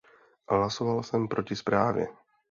Hlasoval jsem proti zprávě.